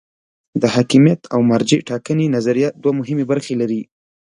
د حاکمیت او مرجع ټاکنې نظریه دوه مهمې برخې لري.